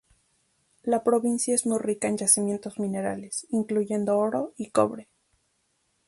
La provincia es muy rica en yacimientos minerales, incluyendo oro y cobre.